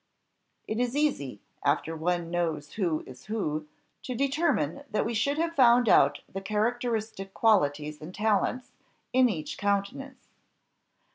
It is easy, after one knows who is who, to determine that we should have found out the characteristic qualities and talents in each countenance.